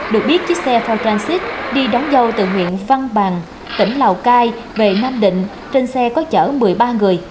được biết chiếc xe for transit đi đón dâu từ huyện văn bằng tỉnh lào cai về nam định trên xe có chở một mươi ba người